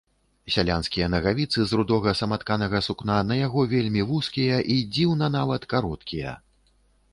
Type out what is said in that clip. Сялянскія нагавіцы з рудога саматканага сукна, на яго вельмі вузкія і, дзіўна, нават кароткія.